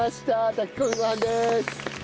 炊き込みご飯です。